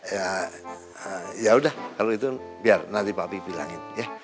ya ya udah kalau gitu biar nanti papi bilangin ya